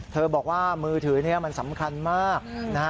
เธอบอกว่ามือถือมันสำคัญมาก